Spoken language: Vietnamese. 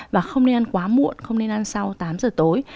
và không nên ăn quá muộn không nên ăn sau tám giờ tối